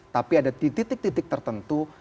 tapi ada di titik titik tertentu